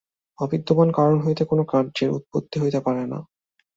অবিদ্যমান কারণ হইতে কোন কার্যের উৎপত্তি হইতে পারে না।